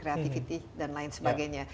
kreativitas dan lain sebagainya